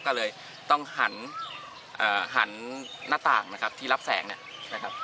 ก็เลยต้องหันหันหน้าต่างนะครับที่รับแสงเนี่ยนะครับ